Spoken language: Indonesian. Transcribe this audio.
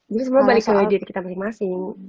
jadi semua balik ke wajah kita masing masing